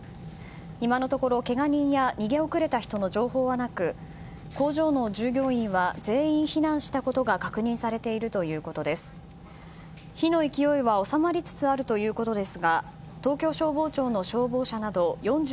今のところ、けが人や逃げ遅れた人の情報はなく工場の従業員は全員避難したことが確認されているということです。